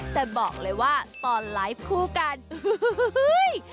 แต่บอกเลยว่าตอนไลฟ์คู่กันฮึฮึฮึฮึ